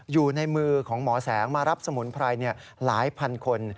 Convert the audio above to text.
อยู่ในมือของหมอแสงมารับสมุนไพรหลายพันคน